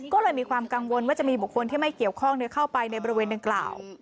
ก็เลยมีความกังวลว่าจะมีบุคคลที่ไม่เกี่ยวข้องเข้าไปในบริเวณดังกล่าว